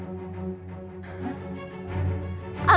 tidak ada pertanyaan